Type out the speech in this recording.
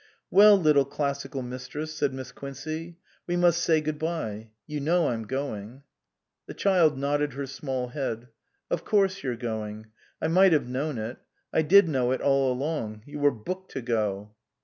" Well, little Classical Mistress," said Miss Quincey, "we must say good bye. You know I'm going." The child nodded her small head. "Of course you're going. I might have known it. I did know it all along. You were booked to go."